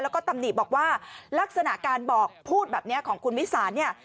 แล้วก็ตำหนิบอกว่าลักษณะการบอกพูดแบบนี้ของคุณวิสานเนี่ย